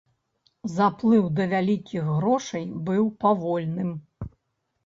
Заплыў да вялікіх грошай быў павольным.